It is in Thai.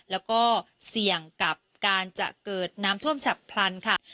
แล้วก็เสี่ยงกับการจะเกิดน้ำท่วมฉับพลันค่ะ